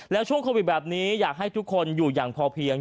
แล้วช่วงโควิดแบบนี้อยากให้ทุกคนอยู่อย่างพอเพียง